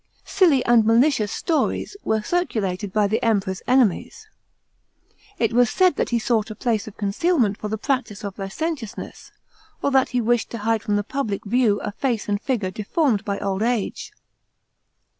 Silly and malicious stories were circuit ted by the Emperor's enemies. It was said that he souaht a jlice of concealment for the practice of licentiousness; or that he wished to hide from the public view a face and figure deformed by old age.